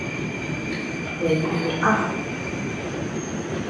维尼奥。